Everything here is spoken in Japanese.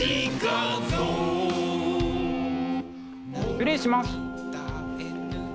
失礼します。